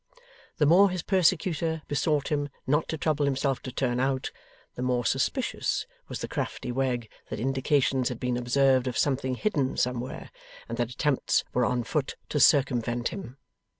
The more his persecutor besought him not to trouble himself to turn out, the more suspicious was the crafty Wegg that indications had been observed of something hidden somewhere, and that attempts were on foot to circumvent him.